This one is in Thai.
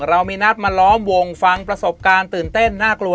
เรามีนัดมาล้อมวงฟังประสบการณ์ตื่นเต้นน่ากลัว